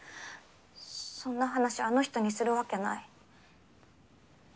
そんな話あの人にするわけない。